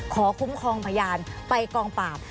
คุ้มครองพยานไปกองปราบ